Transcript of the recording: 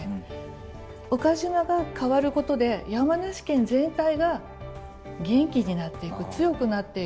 岡島が変わることで山梨県全体が元気になっていく強くなっていく。